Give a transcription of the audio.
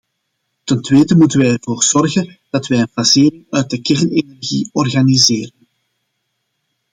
Ten tweede moeten wij ervoor zorgen dat wij een fasering uit de kernenergie organiseren.